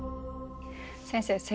先生